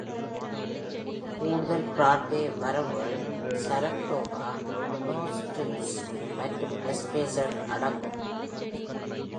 கூடுதல் பிராட்வே வரவுகள் "Saratoga", "no ஸ்ட்ரிங்க்ஸ்", மற்றும் "அம்பேஸடர்" அடங்கும்.